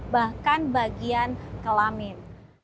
bahkan bagian kelamin